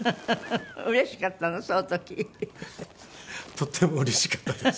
とってもうれしかったです。